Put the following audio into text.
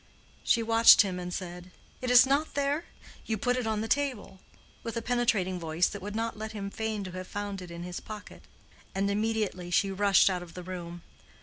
She watched him and said, "It is not there?—you put it on the table," with a penetrating voice that would not let him feign to have found it in his pocket; and immediately she rushed out of the room.